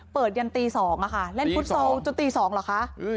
ยันตี๒ค่ะเล่นฟุตซอลจนตี๒เหรอคะ